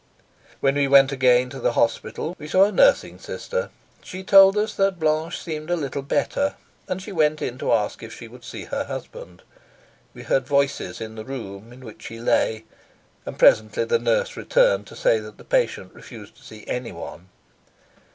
When we went again to the hospital we saw a nursing sister. She told us that Blanche seemed a little better, and she went in to ask if she would see her husband. We heard voices in the room in which she lay, and presently the nurse returned to say that the patient refused to see anyone.